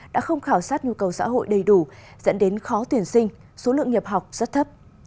đã không khảo sát nhu cầu xã hội đầy đủ dẫn đến khó tuyển sinh số lượng nhập học rất thấp